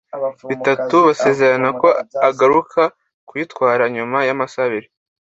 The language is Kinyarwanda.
bitatu. Basezerana ko agaruka kuyitwara nyuma y’amasaha abiri